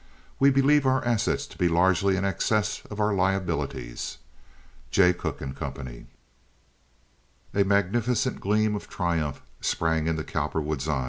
We believe our assets to be largely in excess of our liabilities. Jay Cooke & Co. A magnificent gleam of triumph sprang into Cowperwood's eye.